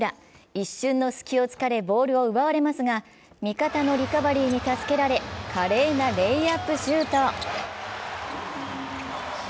一瞬の隙をつかれ、ボールを奪われますが味方のリカバリーに助けられ華麗なレイアップシュート。